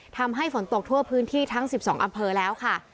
ทำให้ฝนตกทั่วพื้นที่ทั้ง๑๒อำเภอแล้วค่ะ